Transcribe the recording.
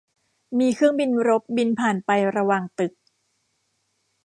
มีเครื่องบินรบบินผ่านไประหว่างตึก